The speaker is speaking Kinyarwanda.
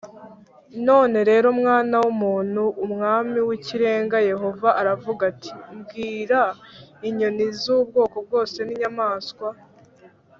None rero mwana w umuntu umwami w ikirenga yehova aravuga ati bwira inyoni z ubwoko bwose ni inyamaswa